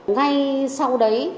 ngay sau đấy